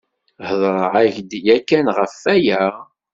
Hedreɣ-ak-d yakan ɣef aya?